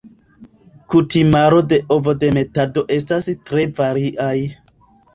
Kutimaro de ovodemetado estas tre variaj.